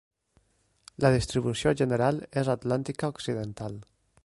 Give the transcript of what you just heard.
La distribució general és atlàntica occidental.